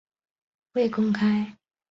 未公开